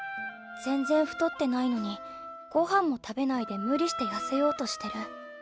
全然太ってないのにご飯も食べないで無理してやせようとしてる。